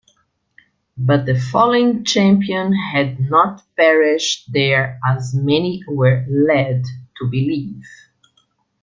But the fallen champion had not perished there as many were led to believe.